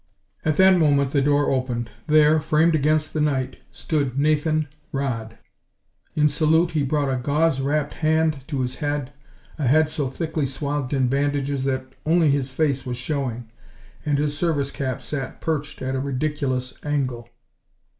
At that moment the door opened. There, framed against the night, stood Nathan Rodd! In salute he brought a gauze wrapped hand to his head, a head so thickly swathed in bandages that only his face was showing and his service cap sat perched at a ridiculous angle.